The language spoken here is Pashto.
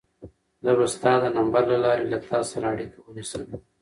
زه به ستا د نمبر له لارې له تا سره اړیکه ونیسم.